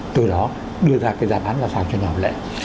từ đó đưa ra cái giá bán là sao cho nào lại